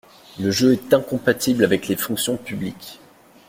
Le jeu est incompatible avec les fonctions publiques.